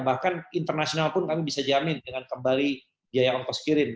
bahkan internasional pun kami bisa jamin dengan kembali biaya ongkos kirim